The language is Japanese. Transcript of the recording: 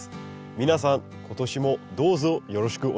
皆さん今年もどうぞよろしくお願いいたします。